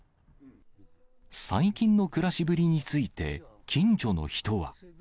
最近の暮らしぶりについて、近所の人は。